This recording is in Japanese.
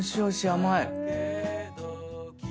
甘い！